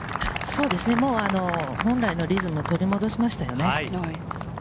本来のリズムを取り戻しましたよね。